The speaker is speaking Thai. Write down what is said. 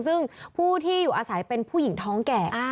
ซึ่งผู้ที่อยู่อาศัยเป็นผู้หญิงท้องแก่